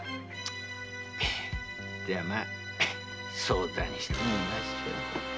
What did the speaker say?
ではまあ相談してみましょう。